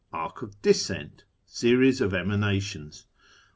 Arc of Descent. Series of Emanations.